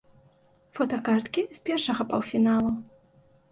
Фотакарткі з першага паўфіналу.